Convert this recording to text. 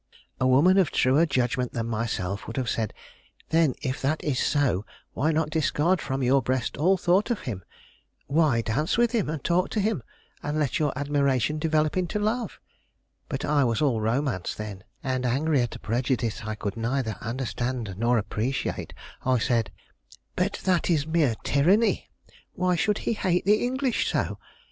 A woman of truer judgment than myself would have said: "Then, if that is so, why not discard from your breast all thought of him? Why dance with him, and talk to him, and let your admiration develop into love?" But I was all romance then, and, angry at a prejudice I could neither understand nor appreciate, I said: "But that is mere tyranny! Why should he hate the English so?